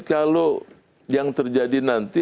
kalau yang terjadi nanti